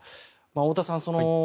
太田さん